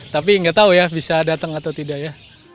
tapi gak tau ya bisa dateng atau tidak ya